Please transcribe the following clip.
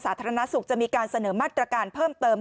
สาธารณสุขจะมีการเสนอมาตรการเพิ่มเติม